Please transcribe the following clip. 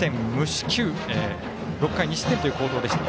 ６回２失点という好投でした。